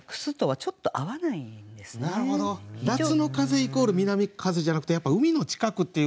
なるほど夏の風イコール南風じゃなくてやっぱ海の近くっていう。